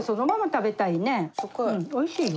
おいしいよ。